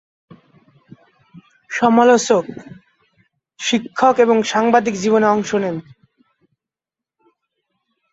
সমালোচক, শিক্ষক এবং সাংবাদিক জীবনে অংশ নেন।